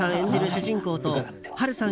主人公と波瑠さん